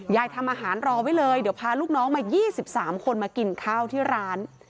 ทำอาหารรอไว้เลยเดี๋ยวพาลูกน้องมา๒๓คนมากินข้าวที่ร้าน